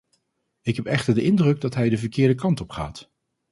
Ik heb echter de indruk dat hij de verkeerde kant op gaat.